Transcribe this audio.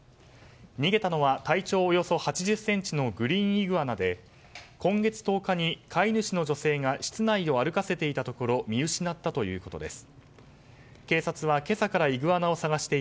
逃げたのは体長およそ３０ｃｍのグリーンイグアナで今月１０日に飼い主の女性が室内を歩かせていたところ見失ったということです。